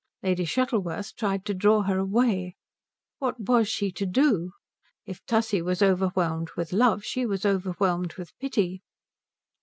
Lady Shuttleworth tried to draw her away. What was she to do? If Tussie was overwhelmed with love, she was overwhelmed with pity.